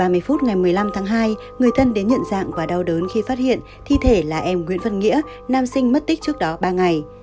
ba mươi phút ngày một mươi năm tháng hai người thân đến nhận dạng và đau đớn khi phát hiện thi thể là em nguyễn văn nghĩa nam sinh mất tích trước đó ba ngày